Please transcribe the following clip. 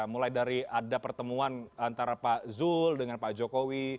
mulai dari ada pertemuan antara pak zul dengan pak jokowi